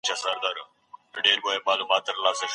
څه وخت خصوصي سکتور اوړه هیواد ته راوړي؟